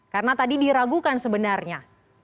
karena tadi diragukan sebenarnya